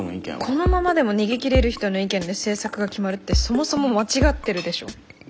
このままでも逃げ切れる人の意見で政策が決まるってそもそも間違ってるでしょ。